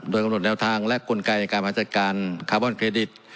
โดยกำหนดแนวทางและกลไกในการมาจัดการคาร์บอนเครดิต